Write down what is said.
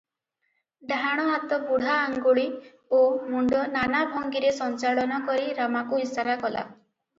ଡାହାଣ ହାତ ବୁଢା ଆଙ୍ଗୁଳି ଓ ମୁଣ୍ଡ ନାନା ଭଙ୍ଗିରେ ସଞ୍ଚାଳନ କରି ରାମାକୁ ଇଶାରା କଲା ।